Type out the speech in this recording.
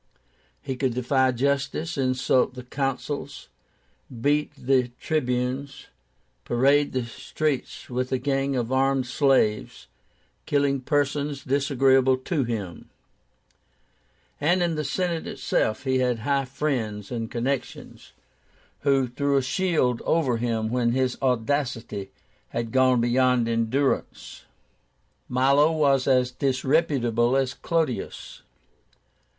He could defy justice, insult the Consuls, beat the Tribunes, parade the streets with a gang of armed slaves, killing persons disagreeable to him; and in the Senate itself he had high friends and connections, who threw a shield over him when his audacity had gone beyond endurance." Milo was as disreputable as Clodius.